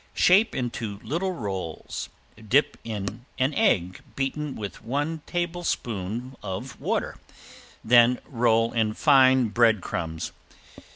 Shape into little rolls, dip in an egg beaten with one tablespoon of water then roll in fine bread crumbs.